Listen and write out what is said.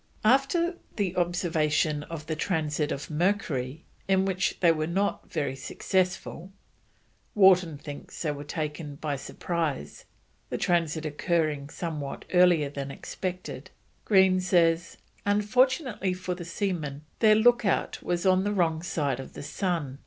After an observation of a transit of Mercury, in which they were not very successful (Wharton thinks they were taken by surprise, the transit occurring somewhat earlier than expected; Green says: "Unfortunately for the seamen, their look out was on the wrong side of the sun.